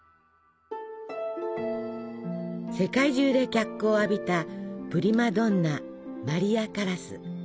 世界中で脚光を浴びたプリマドンナマリア・カラス。